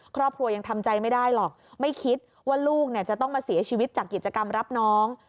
ครอบครัวยังทำใจไม่ได้หรอกไม่คิดว่าลูกจะต้องมาเสียชีวิตจากกิจกรรมรับน้อง